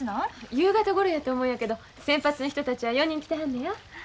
夕方ごろやと思うんやけど先発の人たちは４人来てはるのや。